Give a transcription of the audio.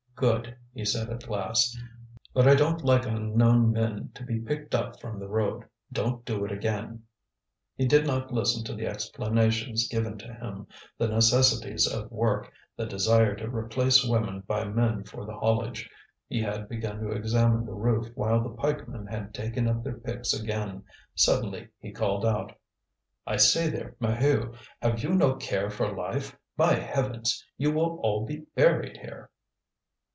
"Good," he said at last. "But I don't like unknown men to be picked up from the road. Don't do it again." He did not listen to the explanations given to him, the necessities of work, the desire to replace women by men for the haulage. He had begun to examine the roof while the pikemen had taken up their picks again. Suddenly he called out: "I say there, Maheu; have you no care for life? By heavens! you will all be buried here!"